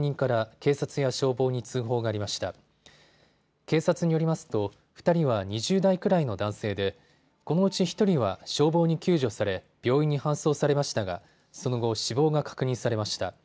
警察によりますと２人は２０代くらいの男性でこのうち１人は消防に救助され病院に搬送されましたがその後、死亡が確認されました。